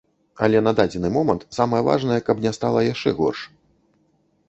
Але на дадзены момант самае важнае, каб не стала яшчэ горш.